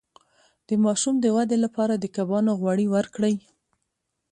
د ماشوم د ودې لپاره د کبانو غوړي ورکړئ